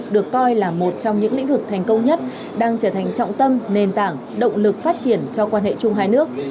được coi là một trong những lĩnh vực thành công nhất đang trở thành trọng tâm nền tảng động lực phát triển cho quan hệ chung hai nước